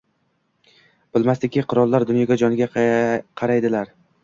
Bilmasdiki, qirollar dunyoga jo‘ngina qaraydilar